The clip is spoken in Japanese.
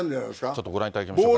ちょっとご覧いただきましょうかね。